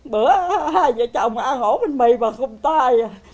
bữa hai vợ chồng ăn hổ bánh mì và không tai